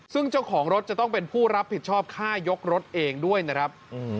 ซึ่งเจ้าของรถจะต้องเป็นผู้รับผิดชอบค่ายกรถเองด้วยนะครับ